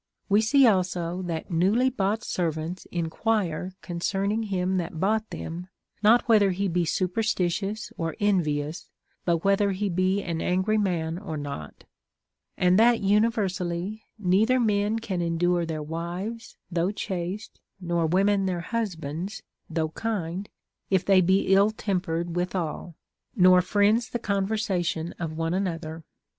We see also that newly bought servants enquire concerning him that bought them, not whether he be su perstitious or envious, but whether he be an angry man or not ; and that universally, neither men can endure their wives, though chaste, nor women their husbands, though kind, if they be ill tempered withal ; nor friends the con versation of one another.